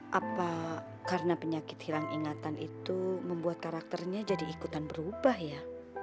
hai apa karena penyakit hilang ingatan itu membuat karakternya jadi ikutan berubah ya